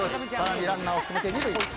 ランナーを進めて２塁。